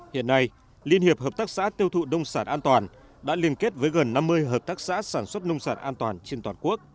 hiện nay liên hiệp hợp tác xã tiêu thụ nông sản an toàn đã liên kết với gần năm mươi hợp tác xã sản xuất nông sản an toàn trên toàn quốc